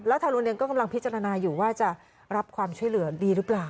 แล้วทางโรงเรียนก็กำลังพิจารณาอยู่ว่าจะรับความช่วยเหลือดีหรือเปล่า